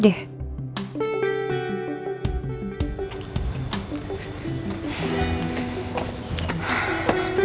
udah pak aku mau ke rumah